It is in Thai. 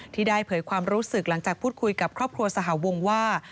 ได้เผยความรู้สึกหลังจากพูดคุยกับครอบครัวสหวงว่า